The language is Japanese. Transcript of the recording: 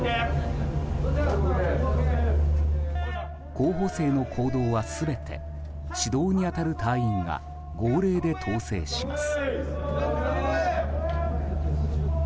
候補生の行動は全て指導に当たる隊員が号令で統制します。